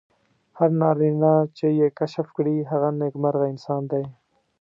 هر نارینه چې یې کشف کړي هغه نېکمرغه انسان دی.